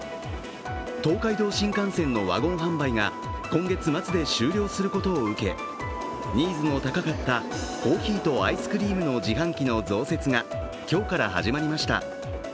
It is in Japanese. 東海道新幹線のワゴン販売が今月末で終了することを受けニーズの高かったコーヒーとアイスクリームの自販機の増設が今日から始まりました。